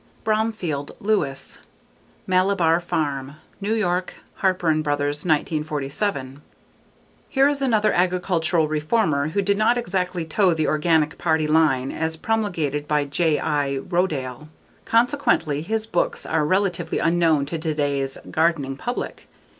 _ Bromfield, Louis. Malibar Farm. New York: Harper & Brothers, 1947. Here is another agricultural reformer who did not exactly toe the Organic Party line as promulgated by J.l. Rodale. Consequently his books are relatively unknown to today's gardening public.